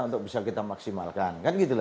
untuk bisa kita maksimalkan